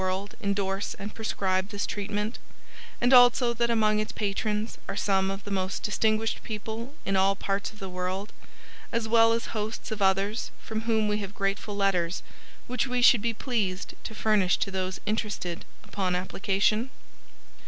Do you know that many of the greatest physicians in the world endorse and prescribe this treatment, and also that among its patrons are some of the most distinguished people in all parts of the world, as well as hosts of others from whom we have grateful letters, which we should be pleased to furnish to those interested upon application?